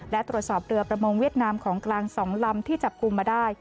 และตรวจสอบเรือประมงเวียดนามของกลาง๒ลำที่จับกลุ่มมาได้